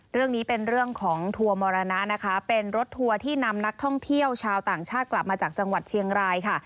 เรื่องนี้เป็นเรื่องของทัวร์มรณะนะคะเป็นรถทัวร์ที่นำนักท่องเที่ยวชาวต่างชาติกลับมาจากจังหวัดเชียงรายค่ะ